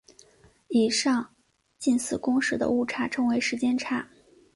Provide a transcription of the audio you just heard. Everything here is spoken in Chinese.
以上近似公式的误差称为时间差。